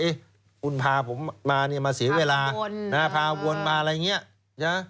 คุณพาผมมาเนี่ยมาเสียเวลาพาวนมาอะไรอย่างนี้นะ